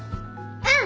うん。